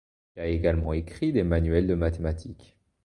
Il a également écrit des manuels de mathématiques.